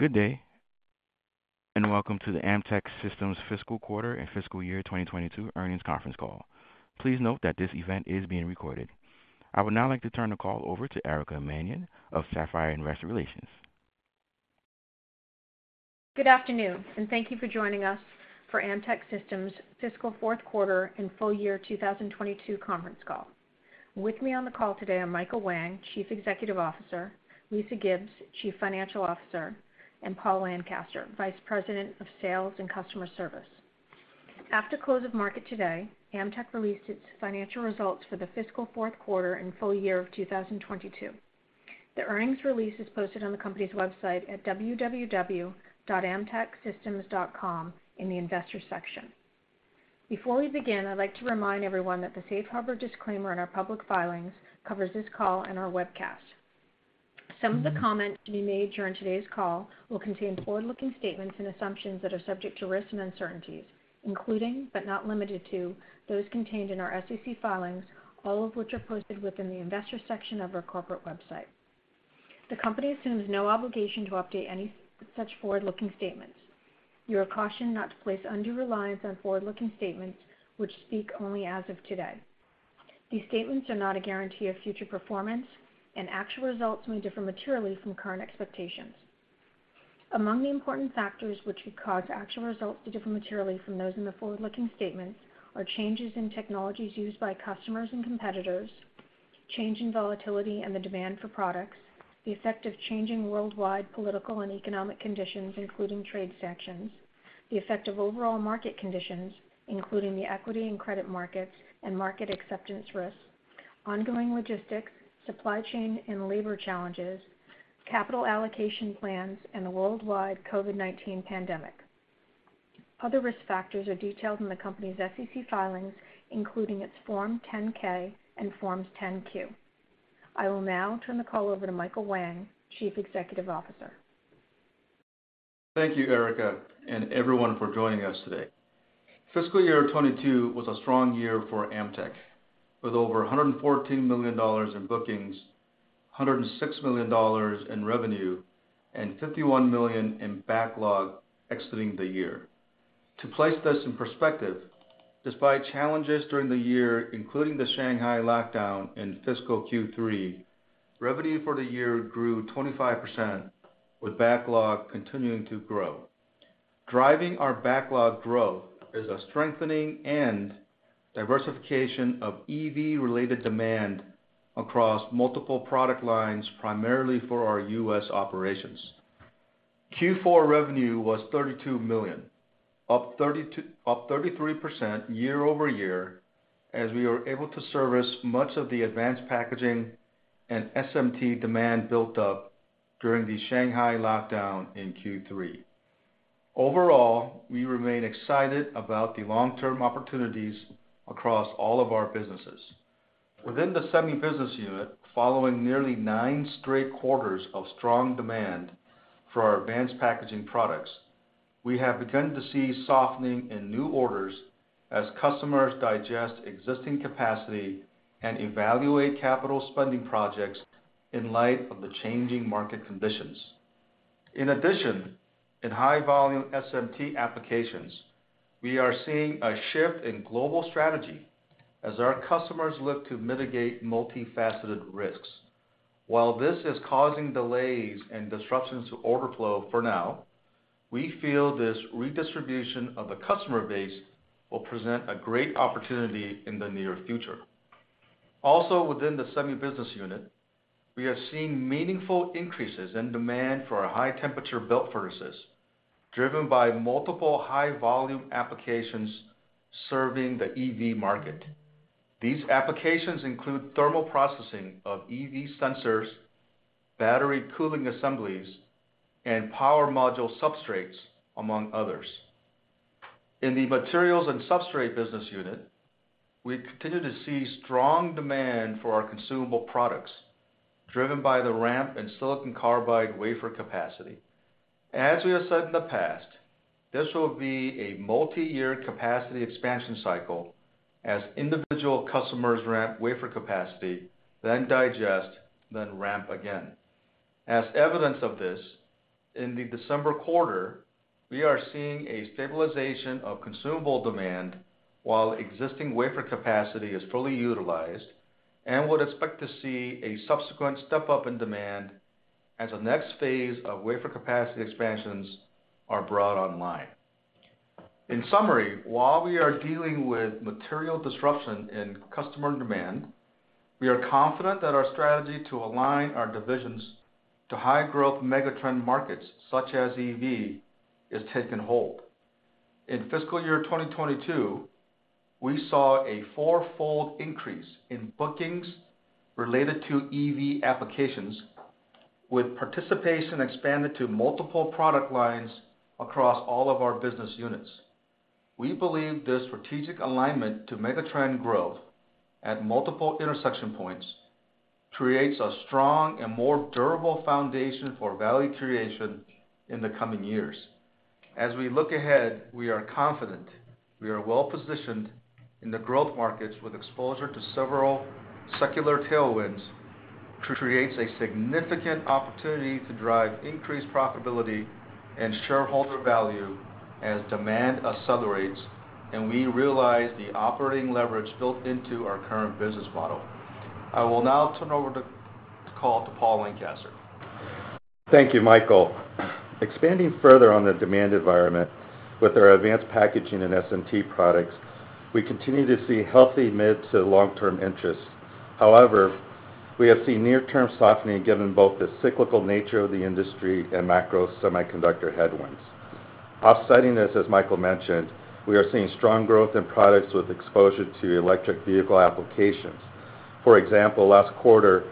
Good day, and welcome to the Amtech Systems Fiscal Quarter and Fiscal Year 2022 Earnings Conference Call. Please note that this event is being recorded. I would now like to turn the call over to Erica Mannion of Sapphire Investor Relations. Good afternoon, and thank you for joining us for Amtech Systems Fiscal Fourth Quarter and Full Year 2022 Conference Call. With me on the call today are Michael Whang, Chief Executive Officer, Lisa Gibbs, Chief Financial Officer, and Paul Lancaster, Vice President of Sales and Customer Service. After close of market today, Amtech released its financial results for the fiscal fourth quarter and full year of 2022. The earnings release is posted on the company's website at www.amtechsystems.com in the Investors section. Before we begin, I'd like to remind everyone that the safe harbor disclaimer in our public filings covers this call and our webcast. Some of the comments to be made during today's call will contain forward-looking statements and assumptions that are subject to risks and uncertainties, including, but not limited to, those contained in our SEC filings, all of which are posted within the Investors section of our corporate website. The company assumes no obligation to update any such forward-looking statements. You are cautioned not to place undue reliance on forward-looking statements which speak only as of today. These statements are not a guarantee of future performance, and actual results may differ materially from current expectations. Among the important factors which could cause actual results to differ materially from those in the forward-looking statements are changes in technologies used by customers and competitors, change in volatility and the demand for products, the effect of changing worldwide political and economic conditions, including trade sanctions, the effect of overall market conditions, including the equity and credit markets and market acceptance risks, ongoing logistics, supply chain and labor challenges, capital allocation plans, and the worldwide COVID-19 pandemic. Other risk factors are detailed in the company's SEC filings, including its Form 10-K and Forms 10-Q. I will now turn the call over to Michael Whang, Chief Executive Officer. Thank you, Erica, everyone for joining us today. Fiscal year 2022 was a strong year for Amtech, with over $114 million in bookings, $106 million in revenue, and $51 million in backlog exiting the year. To place this in perspective, despite challenges during the year, including the Shanghai lockdown in fiscal Q3, revenue for the year grew 25%, with backlog continuing to grow. Driving our backlog growth is a strengthening and diversification of EV-related demand across multiple product lines, primarily for our U.S. operations. Q4 revenue was $32 million, up 33% year-over-year, as we were able to service much of the advanced packaging and SMT demand built up during the Shanghai lockdown in Q3. Overall, we remain excited about the long-term opportunities across all of our businesses. Within the semi business unit, following nearly nine straight quarters of strong demand for our advanced packaging products, we have begun to see softening in new orders as customers digest existing capacity and evaluate capital spending projects in light of the changing market conditions. In addition, in high-volume SMT applications, we are seeing a shift in global strategy as our customers look to mitigate multifaceted risks. While this is causing delays and disruptions to overflow for now, we feel this redistribution of the customer base will present a great opportunity in the near future. Within the semi business unit, we are seeing meaningful increases in demand for our high-temperature belt furnaces, driven by multiple high-volume applications serving the EV market. These applications include thermal processing of EV sensors, battery cooling assemblies, and power module substrates, among others. In the materials and substrate business unit, we continue to see strong demand for our consumable products, driven by the ramp in silicon carbide wafer capacity. As we have said in the past, this will be a multi-year capacity expansion cycle as individual customers ramp wafer capacity, then digest, then ramp again. As evidence of this, in the December quarter, we are seeing a stabilization of consumable demand while existing wafer capacity is fully utilized, and would expect to see a subsequent step-up in demand as the next phase of wafer capacity expansions are brought online. In summary, while we are dealing with material disruption in customer demand, we are confident that our strategy to align our divisions to high-growth megatrend markets such as EV is taking hold. In fiscal year 2022, we saw a four-fold increase in bookings related to EV applications, with participation expanded to multiple product lines across all of our business units. We believe this strategic alignment to megatrend growth at multiple intersection points creates a strong and more durable foundation for value creation in the coming years. As we look ahead, we are confident we are well-positioned in the growth markets with exposure to several secular tailwinds to create a significant opportunity to drive increased profitability and shareholder value as demand accelerates and we realize the operating leverage built into our current business model. I will now turn over the call to Paul Lancaster. Thank you, Michael. Expanding further on the demand environment with our advanced packaging and SMT products, we continue to see healthy mid to long-term interest. We have seen near-term softening given both the cyclical nature of the industry and macro semiconductor headwinds. Offsetting this, as Michael mentioned, we are seeing strong growth in products with exposure to electric vehicle applications. For example, last quarter,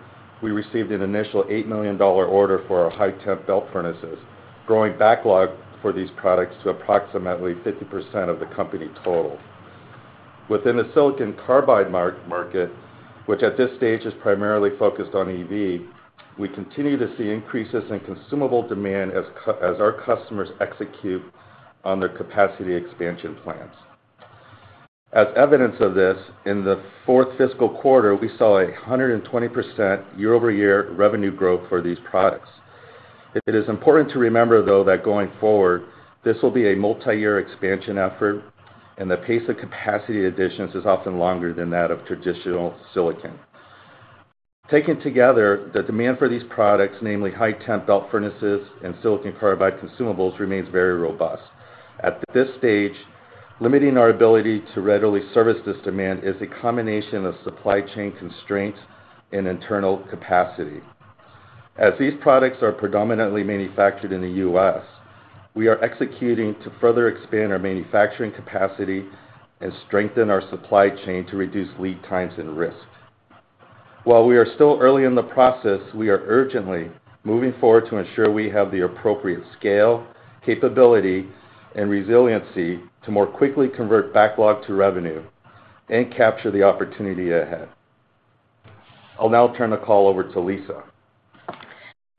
we received an initial $8 million order for our high-temp belt furnaces, growing backlog for these products to approximately 50% of the company total. Within the silicon carbide market, which at this stage is primarily focused on EV, we continue to see increases in consumable demand as our customers execute on their capacity expansion plans. As evidence of this, in the fourth fiscal quarter, we saw a 120% year-over-year revenue growth for these products. It is important to remember, though, that going forward, this will be a multiyear expansion effort, and the pace of capacity additions is often longer than that of traditional silicon. Taken together, the demand for these products, namely high-temp belt furnaces and silicon carbide consumables, remains very robust. At this stage, limiting our ability to readily service this demand is a combination of supply chain constraints and internal capacity. As these products are predominantly manufactured in the U.S., we are executing to further expand our manufacturing capacity and strengthen our supply chain to reduce lead times and risk. While we are still early in the process, we are urgently moving forward to ensure we have the appropriate scale, capability, and resiliency to more quickly convert backlog to revenue and capture the opportunity ahead. I'll now turn the call over to Lisa.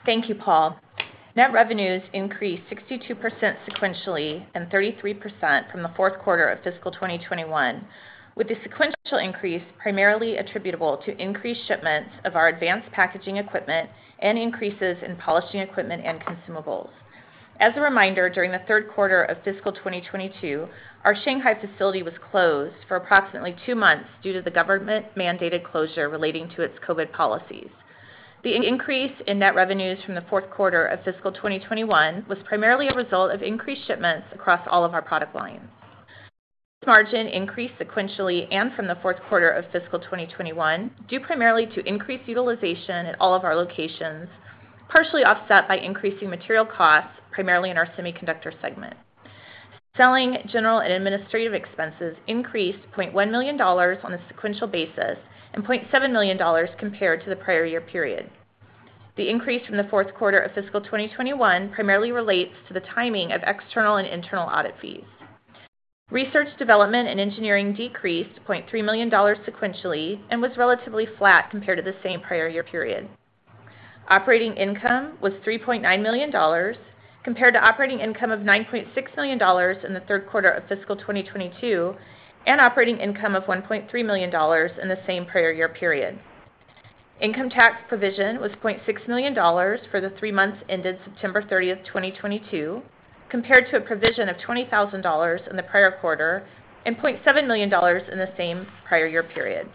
Thank you, Paul. Net Revenues increased 62% sequentially and 33% from the fourth quarter of fiscal 2021, with the sequential increase primarily attributable to increased shipments of our advanced packaging equipment and increases in polishing equipment and consumables. As a reminder, during the third quarter of fiscal 2022, our Shanghai facility was closed for approximately two months due to the government-mandated closure relating to its COVID policies. The increase in Net Revenues from the fourth quarter of fiscal 2021 was primarily a result of increased shipments across all of our product lines. Margin increased sequentially and from the fourth quarter of fiscal 2021 due primarily to increased utilization at all of our locations, partially offset by increasing material costs, primarily in our semiconductor segment. Selling, general, and administrative expenses increased $0.1 million on a sequential basis and $0.7 million compared to the prior year period. The increase from the fourth quarter of fiscal 2021 primarily relates to the timing of external and internal audit fees. Research, development, and engineering decreased $0.3 million sequentially and was relatively flat compared to the same prior year period. Operating income was $3.9 million compared to operating income of $9.6 million in the third quarter of fiscal 2022 and operating income of $1.3 million in the same prior year period. Income tax provision was $0.6 million for the three months ended September 30, 2022, compared to a provision of $20,000 in the prior quarter and $0.7 million in the same prior year period.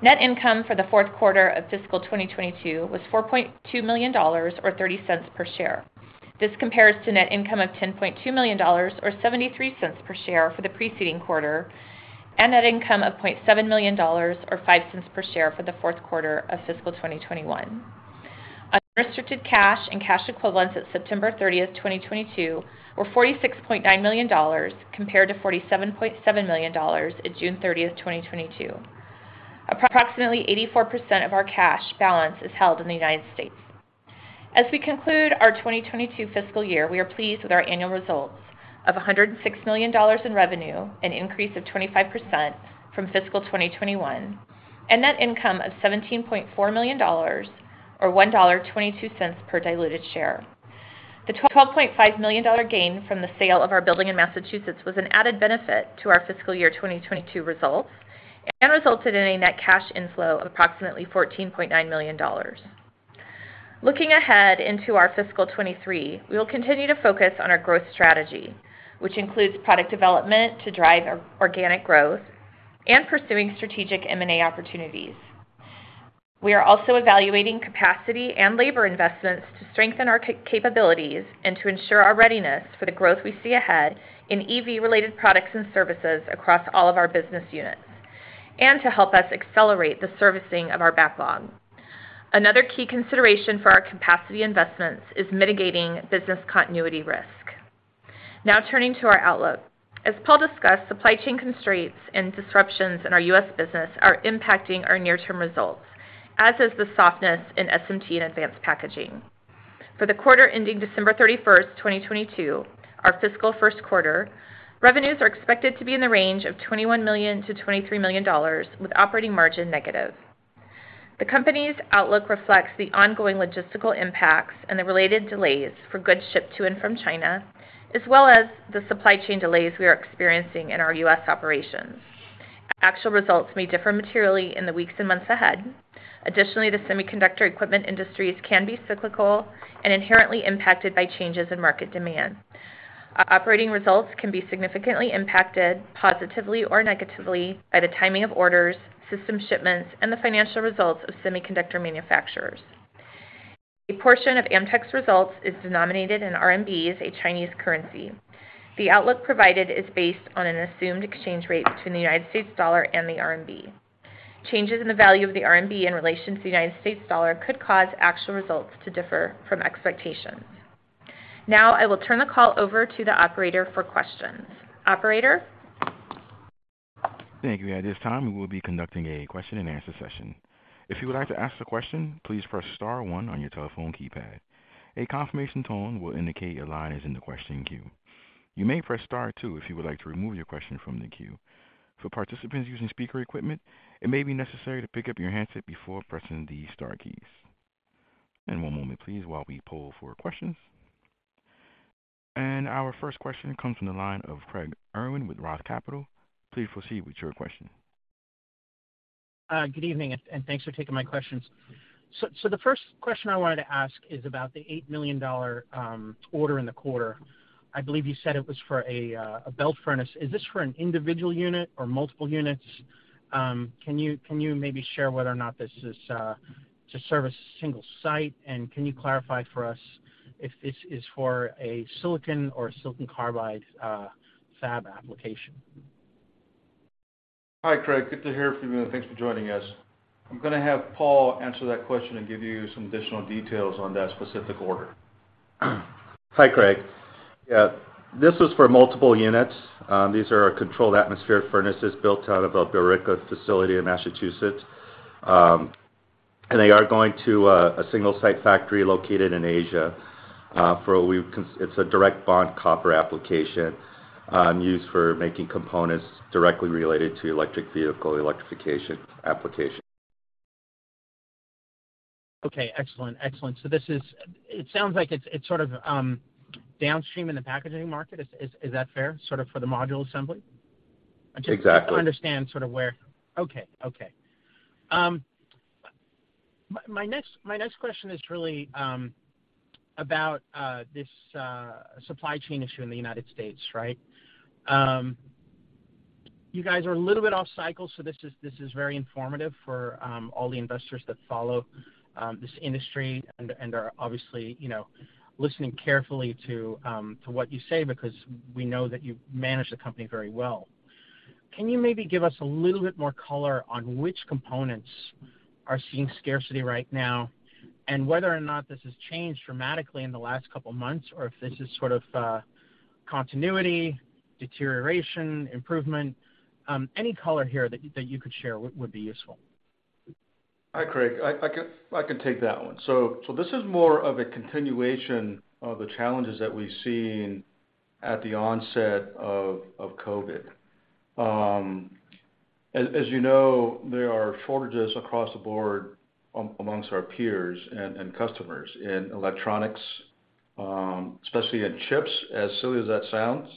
Net Income for the fourth quarter of fiscal 2022 was $4.2 million or $0.30 per share. This compares to Net Income of $10.2 million, or $0.73 per share for the preceding quarter, and Net Income of $0.7 million, or $0.05 per share for the fourth quarter of fiscal 2021. Unrestricted cash and cash equivalents at September 30, 2022 were $46.9 million compared to $47.7 million in June 30, 2022. Approximately 84% of our cash balance is held in the United States. As we conclude our 2022 fiscal year, we are pleased with our annual results of $106 million in revenue, an increase of 25% from fiscal 2021, and Net Income of $17.4 million, or $1.22 per diluted share. The $12.5 million gain from the sale of our building in Massachusetts was an added benefit to our fiscal year 2022 results and resulted in a Net Cash Inflow of approximately $14.9 million. Looking ahead into our fiscal 2023, we will continue to focus on our growth strategy, which includes product development to drive our organic growth and pursuing strategic M&A opportunities. We are also evaluating capacity and labor investments to strengthen our capabilities and to ensure our readiness for the growth we see ahead in EV-related products and services across all of our business units, to help us accelerate the servicing of our backlog. Another key consideration for our capacity investments is mitigating business continuity risk. Turning to our outlook. As Paul discussed, supply chain constraints and disruptions in our U.S. business are impacting our near-term results, as is the softness in SMT and advanced packaging. For the quarter ending December 31, 2022, our fiscal first quarter, revenues are expected to be in the range of $21 million-$23 million, with operating margin negative. The company's outlook reflects the ongoing logistical impacts and the related delays for goods shipped to and from China, as well as the supply chain delays we are experiencing in our U.S. operations. Actual results may differ materially in the weeks and months ahead. Additionally, the semiconductor equipment industries can be cyclical and inherently impacted by changes in market demand. Our operating results can be significantly impacted positively or negatively by the timing of orders, system shipments, and the financial results of semiconductor manufacturers. A portion of Amtech's results is denominated in RMBs, a Chinese currency. The outlook provided is based on an assumed exchange rate between the United States dollar and the RMB. Changes in the value of the RMB in relation to the United States dollar could cause actual results to differ from expectations. Now, I will turn the call over to the operator for questions. Operator? Thank you. At this time, we will be conducting a question-and-answer session. If you would like to ask a question, please press star one on your telephone keypad. A confirmation tone will indicate your line is in the question queue. You may press star two if you would like to remove your question from the queue. For participants using speaker equipment, it may be necessary to pick up your handset before pressing the star keys. one moment, please, while we poll for questions. Our first question comes from the line of Craig Irwin with ROTH Capital. Please proceed with your question. Good evening, and thanks for taking my questions. The first question I wanted to ask is about the $8 million order in the quarter. I believe you said it was for a belt furnace. Is this for an individual unit or multiple units? Can you maybe share whether or not this is to service a single site and can you clarify for us if this is for a silicon or silicon carbide fab application? Hi, Craig. Good to hear from you, and thanks for joining us. I'm gonna have Paul answer that question and give you some additional details on that specific order. Hi, Craig. Yeah, this was for multiple units. These are our controlled atmosphere furnaces built out of our Billerica facility in Massachusetts. They are going to a single site factory located in Asia. It's a Direct Bond Copper application used for making components directly related to electric vehicle electrification application. Okay, excellent. Excellent. It sounds like it's sort of downstream in the packaging market. Is that fair? Sort of for the module assembly? Exactly. I just want to understand sort of where. Okay. Okay. My next question is really about this supply chain issue in the United States, right? You guys are a little bit off cycle, so this is very informative for all the investors that follow this industry and are obviously, you know, listening carefully to what you say because we know that you manage the company very well. Can you maybe give us a little bit more color on which components are seeing scarcity right now, and whether or not this has changed dramatically in the last couple of months, or if this is sort of continuity, deterioration, improvement? Any color here that you could share would be useful. Hi, Craig. I can take that one. This is more of a continuation of the challenges that we've seen at the onset of COVID. As you know, there are shortages across the board amongst our peers and customers in electronics, especially in chips, as silly as that sounds,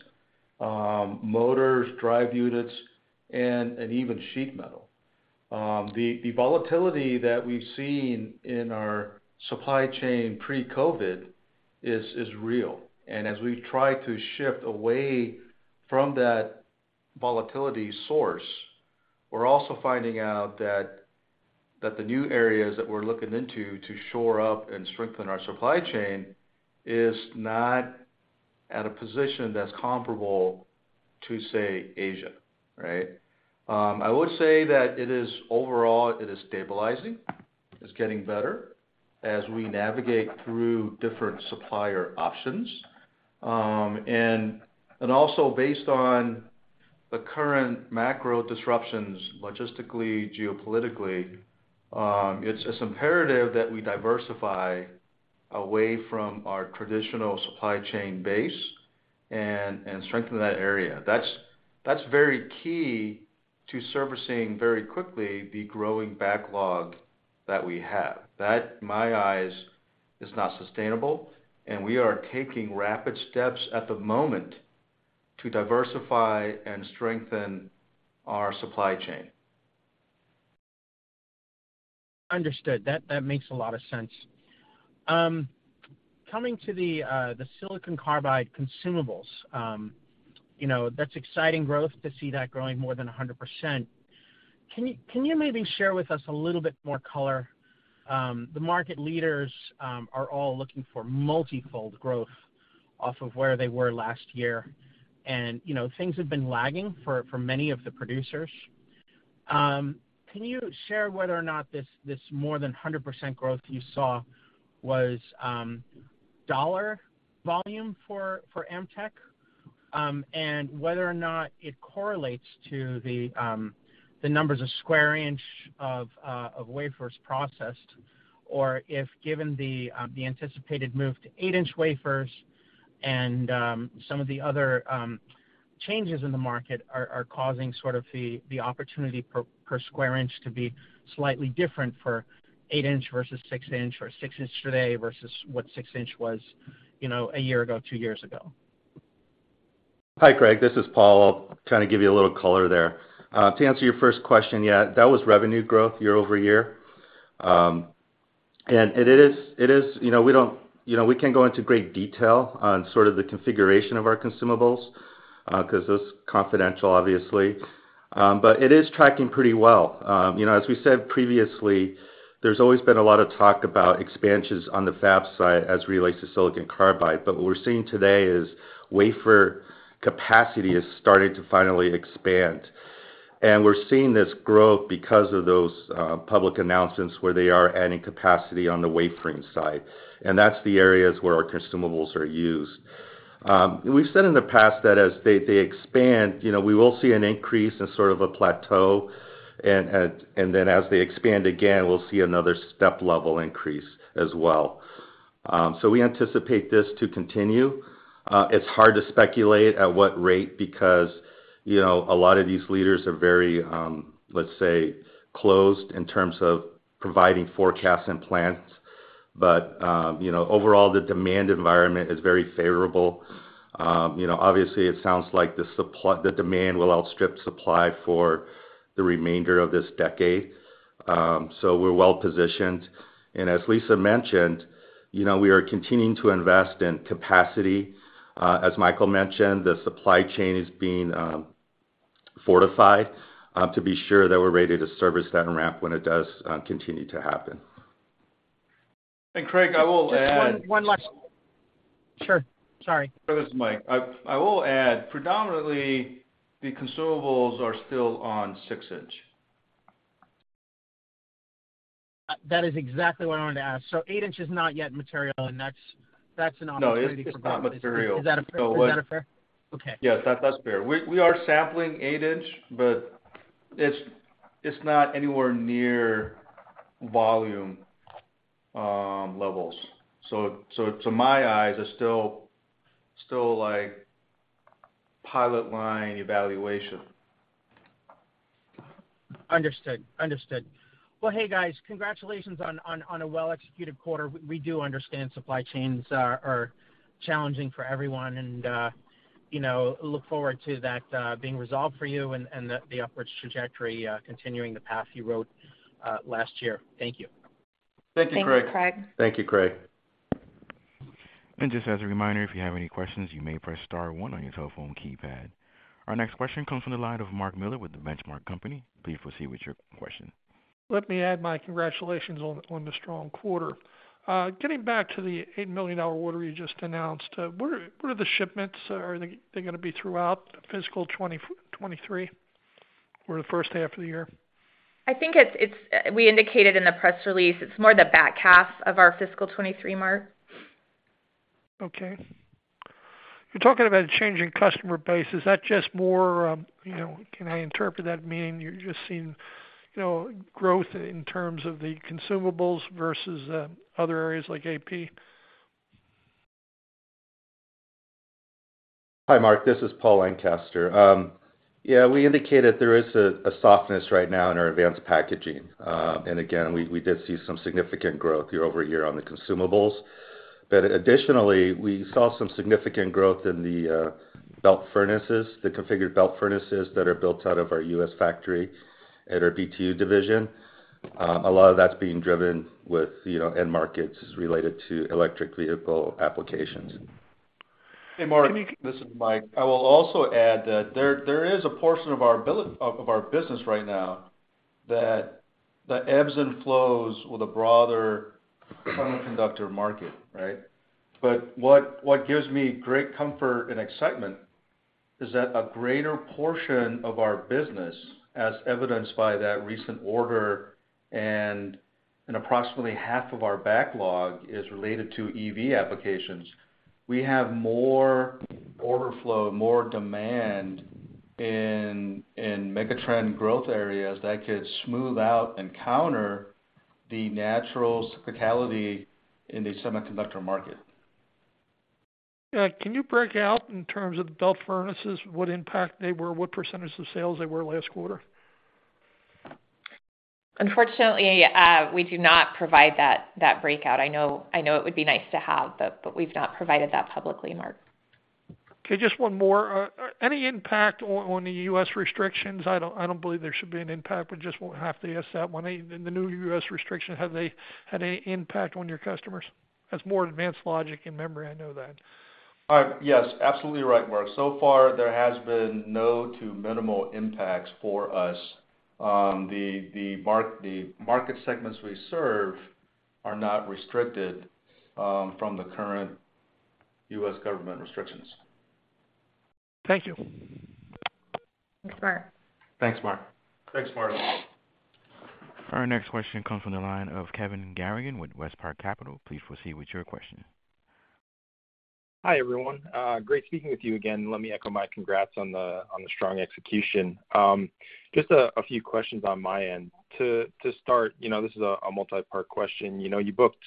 motors, drive units, and even sheet metal. The volatility that we've seen in our supply chain pre-COVID is real. As we try to shift away from that volatility source, we're also finding out that the new areas that we're looking into to shore up and strengthen our supply chain is not at a position that's comparable to, say, Asia, right? I would say that it is overall stabilizing. It's getting better as we navigate through different supplier options. Also based on the current macro disruptions, logistically, geopolitically, it's imperative that we diversify away from our traditional supply chain base and strengthen that area. That's very key to servicing very quickly the growing backlog that we have. That, in my eyes, is not sustainable. We are taking rapid steps at the moment to diversify and strengthen our supply chain. Understood. That makes a lot of sense. Coming to the silicon carbide consumables, you know, that's exciting growth to see that growing more than 100%. Can you maybe share with us a little bit more color? The market leaders are all looking for multi-fold growth off of where they were last year. You know, things have been lagging for many of the producers. Can you share whether or not this more than 100% growth you saw was dollar volume for Amtech, and whether or not it correlates to the numbers of square inch of wafers processed, or if given the anticipated move to eight-inch wafers and some of the other changes in the market are causing sort of the opportunity per square inch to be slightly different for eight-inch versus six-inch or six-inch today versus what six-inch was, you know, one year ago, two years ago? Hi, Craig. This is Paul. I'll kind of give you a little color there. To answer your first question, yeah, that was revenue growth year-over-year. It is, you know, we don't, you know, we can't go into great detail on sort of the configuration of our consumables, because those are confidential obviously. It is tracking pretty well. You know, as we said previously, there's always been a lot of talk about expansions on the fab side as it relates to silicon carbide. What we're seeing today is wafer capacity is starting to finally expand. We're seeing this growth because of those, public announcements where they are adding capacity on the wafering side, and that's the areas where our consumables are used. We've said in the past that as they expand, you know, we will see an increase in sort of a plateau. As they expand again, we'll see another step level increase as well. We anticipate this to continue. It's hard to speculate at what rate because, you know, a lot of these leaders are very, let's say, closed in terms of providing forecasts and plans. You know, overall the demand environment is very favorable. You know, obviously it sounds like the demand will outstrip supply for the remainder of this decade. We're well positioned. As Lisa mentioned, you know, we are continuing to invest in capacity. As Michael mentioned, the supply chain is being fortified, to be sure that we're ready to service that ramp when it does continue to happen. Craig, I will add. Just one last. Sure. Sorry. This is Mike. I will add predominantly the consumables are still on six-inch. That is exactly what I wanted to ask. eight-inch is not yet material, and that's an opportunity for growth. No, it's not material. Is that a fair-? No, what- Is that a fair... Okay. Yes. That's fair. We are sampling eight-inch, but it's not anywhere near volume, levels. To my eyes, it's still like pilot line evaluation. Understood. Understood. Well, hey, guys, congratulations on a well-executed quarter. We do understand supply chains are challenging for everyone and, you know, look forward to that being resolved for you and the upwards trajectory continuing the path you rode last year. Thank you. Thank you, Craig. Thank you, Craig. Thank you, Craig. Just as a reminder, if you have any questions, you may press star one on your telephone keypad. Our next question comes from the line of Mark Miller with The Benchmark Company. Please proceed with your question. Let me add my congratulations on the strong quarter. Getting back to the $8 million order you just announced, where are the shipments are they gonna be throughout fiscal 2023 or the first half of the year? I think it's, we indicated in the press release, it's more the back half of our fiscal 2023, Mark. Okay. You're talking about a change in customer base. Is that just more, you know, can I interpret that meaning you're just seeing, you know, growth in terms of the consumables versus other areas like AP? Hi, Mark. This is Paul Lancaster. Yeah, we indicated there is a softness right now in our advanced packaging. Again, we did see some significant growth year-over-year on the consumables. Additionally, we saw some significant growth in the belt furnaces, the configured belt furnaces that are built out of our U.S. factory at our BTU division. A lot of that's being driven with, you know, end markets as related to electric vehicle applications. Hey, Mark, this is Mike. I will also add that there is a portion of our business right now that ebbs and flows with a broader semiconductor market, right? What gives me great comfort and excitement is that a greater portion of our business, as evidenced by that recent order and approximately half of our backlog is related to EV applications. We have more overflow, more demand in megatrend growth areas that could smooth out and counter the natural cyclicality in the semiconductor market. Yeah. Can you break out in terms of the belt furnaces, what impact they were, what % of sales they were last quarter? Unfortunately, we do not provide that breakout. I know it would be nice to have, but we've not provided that publicly, Mark. Okay, just one more. Any impact on the U.S. restrictions? I don't believe there should be an impact, but just won't have to ask that one. The new U.S. restrictions, have they had any impact on your customers? That's more advanced logic and memory, I know that. All right. Yes, absolutely right, Mark. So far, there has been no to minimal impacts for us. The market segments we serve are not restricted from the current U.S. government restrictions. Thank you. Thanks, Mark. Thanks, Mark. Thanks, Mark. Our next question comes from the line of Kevin Garrigan with WestPark Capital. Please proceed with your question. Hi, everyone. Great speaking with you again. Let me echo my congrats on the strong execution. Just a few questions on my end. To start, you know, this is a multi-part question. You know, you booked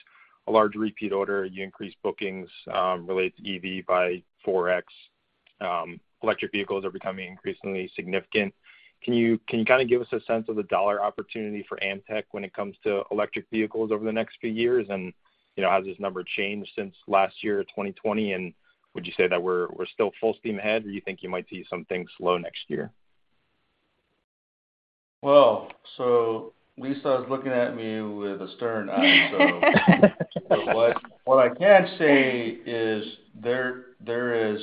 A large repeat order, you increased bookings, related to EV by 4x. Electric vehicles are becoming increasingly significant. Can you kind of give us a sense of the dollar opportunity for Amtech when it comes to electric vehicles over the next few years? You know, has this number changed since last year, 2020? Would you say that we're still full steam ahead, or you think you might see something slow next year? Lisa is looking at me with a stern eye. What I can say is there is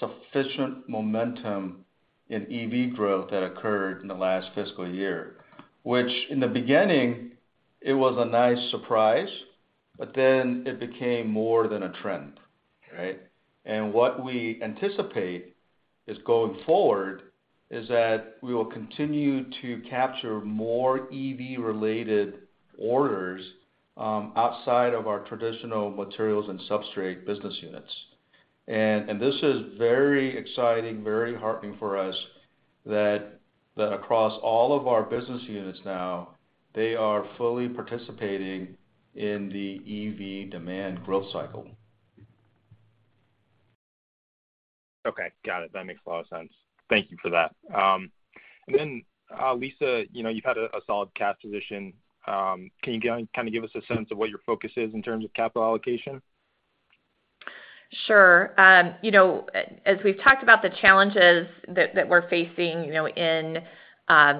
sufficient momentum in EV growth that occurred in the last fiscal year, which in the beginning it was a nice surprise, but then it became more than a trend, right? What we anticipate is going forward is that we will continue to capture more EV-related orders, outside of our traditional materials and substrate business units. This is very exciting, very heartening for us that across all of our business units now, they are fully participating in the EV demand growth cycle. Okay. Got it. That makes a lot of sense. Thank you for that. Lisa, you know, you've had a solid cash position. Can you kinda give us a sense of what your focus is in terms of capital allocation? Sure. you know, as we've talked about the challenges that we're facing, you know, in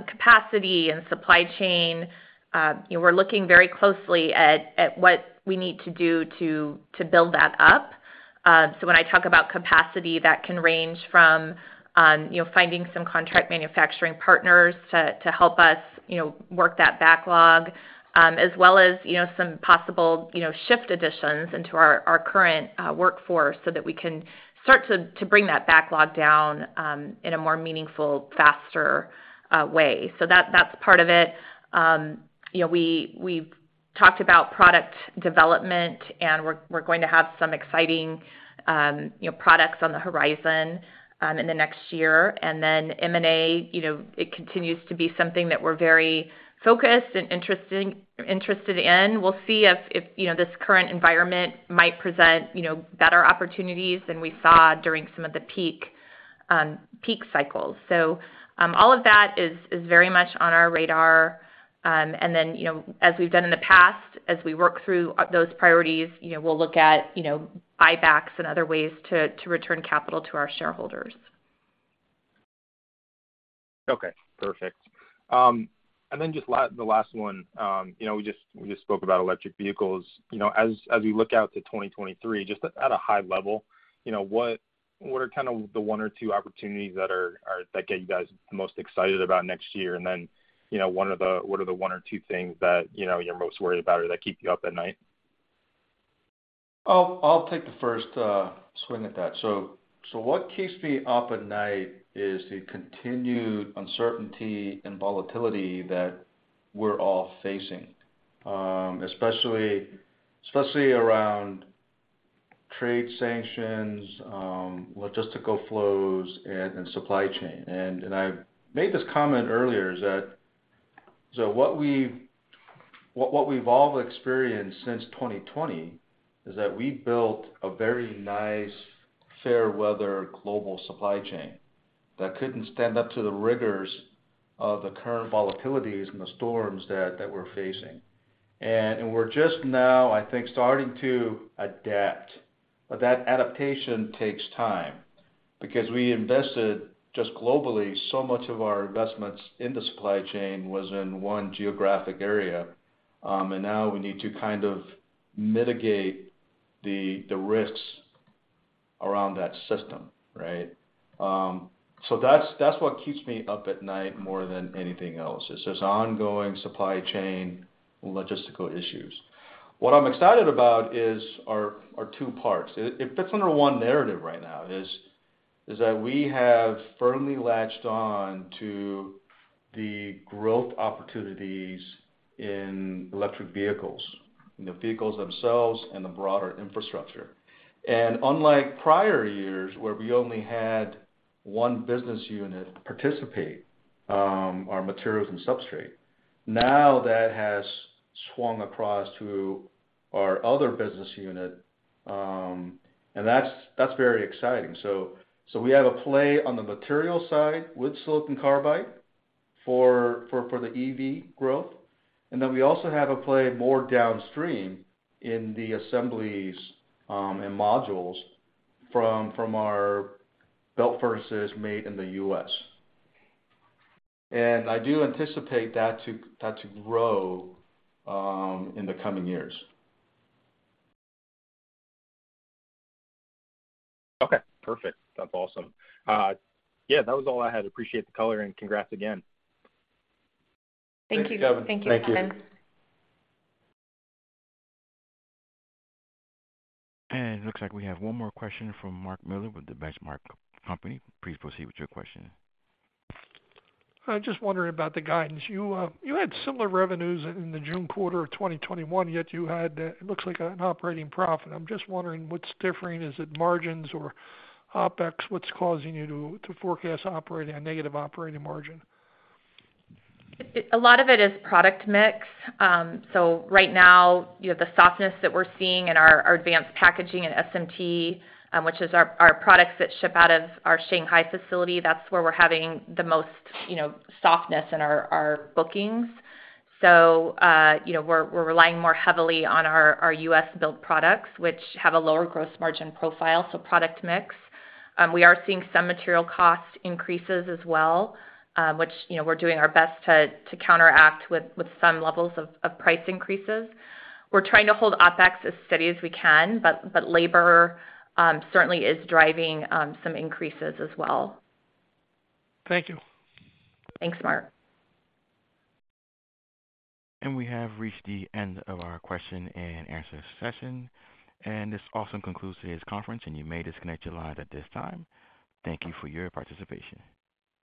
capacity and supply chain, you know, we're looking very closely at what we need to do to build that up. When I talk about capacity, that can range from, you know, finding some contract manufacturing partners to help us, you know, work that backlog, as well as, you know, some possible, you know, shift additions into our current workforce so that we can start to bring that backlog down in a more meaningful, faster way. That's part of it. you know, we've talked about product development, and we're going to have some exciting, you know, products on the horizon in the next year. M&A, you know, it continues to be something that we're very focused and interested in. We'll see if, you know, this current environment might present, you know, better opportunities than we saw during some of the peak cycles. All of that is very much on our radar. As we've done in the past, as we work through those priorities, you know, we'll look at, you know, buybacks and other ways to return capital to our shareholders. Okay. Perfect. Then just the last one. You know, we just spoke about electric vehicles. You know, as we look out to 2023, just at a high level, you know, what are kind of the one or two opportunities that are that get you guys most excited about next year? Then, you know, what are the one or two things that, you know, you're most worried about or that keep you up at night? I'll take the first swing at that. What keeps me up at night is the continued uncertainty and volatility that we're all facing, especially around trade sanctions, logistical flows and supply chain. I made this comment earlier is that what we've all experienced since 2020 is that we built a very nice fair weather global supply chain that couldn't stand up to the rigors of the current volatilities and the storms that we're facing. We're just now, I think, starting to adapt. That adaptation takes time because we invested just globally, so much of our investments in the supply chain was in one geographic area, and now we need to kind of mitigate the risks around that system, right? That's what keeps me up at night more than anything else, is this ongoing supply chain logistical issues. What I'm excited about is our two parts. It fits under one narrative right now, is that we have firmly latched on to the growth opportunities in electric vehicles, you know, vehicles themselves and the broader infrastructure. Unlike prior years where we only had one business unit participate, our materials and substrate, now that has swung across to our other business unit, and that's very exciting. We have a play on the material side with silicon carbide for the EV growth, and then we also have a play more downstream in the assemblies and modules from our belt furnaces made in the U.S. I do anticipate that to grow in the coming years. Okay. Perfect. That's awesome. Yeah, that was all I had. Appreciate the color and congrats again. Thank you. Thanks, Kevin. Thank you, Kevin. Thank you. Looks like we have one more question from Mark Miller with The Benchmark Company. Please proceed with your question. I'm just wondering about the guidance. You, you had similar revenues in the June quarter of 2021, yet you had, it looks like an operating profit. I'm just wondering what's differing. Is it margins or Opex? What's causing you to forecast operating a negative operating margin? A lot of it is product mix. Right now, you have the softness that we're seeing in our advanced packaging and SMT, which is our products that ship out of our Shanghai facility. That's where we're having the most, you know, softness in our bookings. You know, we're relying more heavily on our U.S.-built products, which have a lower gross margin profile. Product mix. We are seeing some material cost increases as well, which, you know, we're doing our best to counteract with some levels of price increases. We're trying to hold Opex as steady as we can, but labor, certainly is driving some increases as well. Thank you. Thanks, Mark. We have reached the end of our question and answer session, and this also concludes today's conference, and you may disconnect your line at this time. Thank you for your participation.